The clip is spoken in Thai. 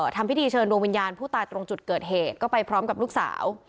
ทำพิธีเชิญดวงวิญญาณผู้ตายตรงจุดเกิดเหตุก็ไปพร้อมกับลูกสาว